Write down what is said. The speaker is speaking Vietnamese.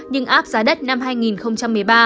nhưng áp giá đất năm hai nghìn một mươi ba